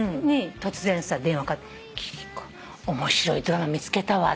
突然電話かかって「貴理子面白いドラマ見つけたわ」